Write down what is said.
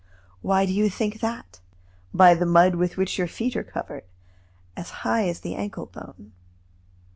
"Why do you think that?" "By the mud with which your feet are covered, as high as the ankle bone."